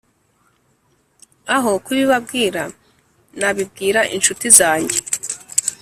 Aho kubibabwira nabibwira incuti zanjye